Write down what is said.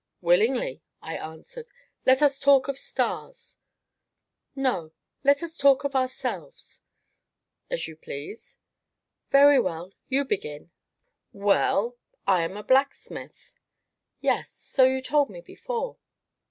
"Willingly," I answered; "let us talk of stars." "No let us talk of ourselves." "As you please." "Very well, you begin." "Well I am a blacksmith." "Yes, you told me so before."